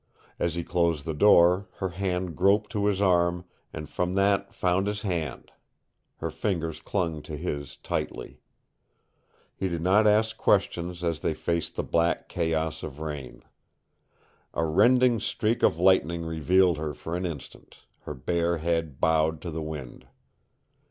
As he closed the door, her hand groped to his arm and from that found his hand. Her fingers clung to his tightly. He did not ask questions as they faced the black chaos of rain. A rending streak of lightning revealed her for an instant, her bare head bowed to the wind.